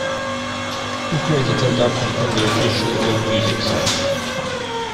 Credits adapted from the official AllMusic site.